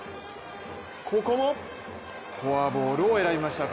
ここも、フォアボールを選びました。